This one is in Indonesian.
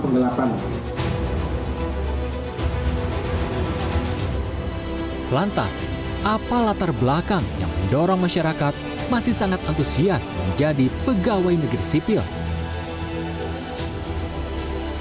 pertanyaan terakhir apakah penyelamatkan ke rumah adalah salah satu korban kasus dugaan tes cpns